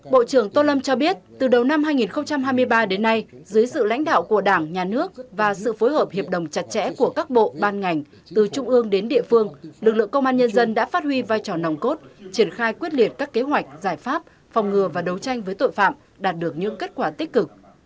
bộ trưởng tô lâm cho biết từ đầu năm hai nghìn hai mươi ba đến nay dưới sự lãnh đạo của đảng nhà nước và sự phối hợp hiệp đồng chặt chẽ của các bộ ban ngành từ trung ương đến địa phương lực lượng công an nhân dân đã phát huy vai trò nòng cốt triển khai quyết liệt các kế hoạch giải pháp phòng ngừa và đấu tranh với tội phạm đạt được những kết quả tích cực